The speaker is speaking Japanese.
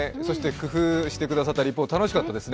工夫してくださったリポート、楽しかったですね。